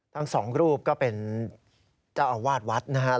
ทั้งสองรูปก็เป็นเจ้าอาวาสวัดนะครับ